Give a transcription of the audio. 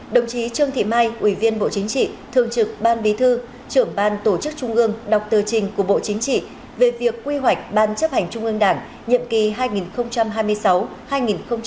đồng chí trương thị mai ủy viên bộ chính trị thường trực ban bí thư trưởng ban tổ chức trung ương đọc tờ trình của bộ chính trị về việc quy hoạch ban chấp hành trung ương đảng nhiệm kỳ hai nghìn hai mươi sáu hai nghìn hai mươi năm